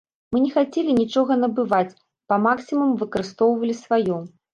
Мы не хацелі нічога набываць, па максімуму выкарыстоўвалі сваё.